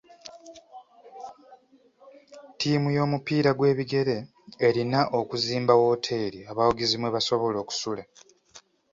Ttiimu y'omupiira gw'ebigere erina okuzimba wooteeri abawagizi mwe basobola okusula.